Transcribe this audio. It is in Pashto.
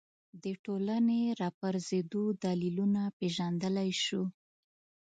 د ټولنې راپرځېدو دلیلونه پېژندلی شو